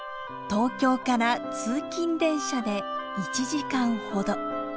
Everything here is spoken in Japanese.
東京から通勤電車で１時間ほど。